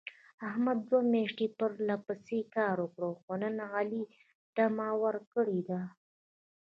احمد دوه میاشتې پرله پسې کار وکړ. خو نن علي دمه ور کړې ده.